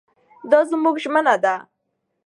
دا زموږ ژمنه ده.